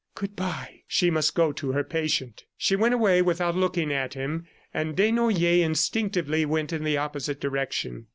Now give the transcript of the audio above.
"Good bye!" She must go to her patient. She went away without looking at him, and Desnoyers instinctively went in the opposite direction.